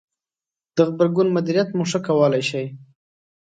-د غبرګون مدیریت مو ښه کولای ش ئ